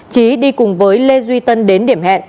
trí đi cùng với lê duy tân đến điểm hẹn